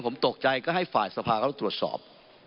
ผมตกใจก็ให้ฝ่ายสภาเขาตรวจสอบ